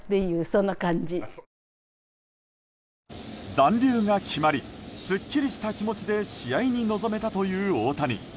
残留が決まりすっきりした気持ちで試合に臨めたという大谷。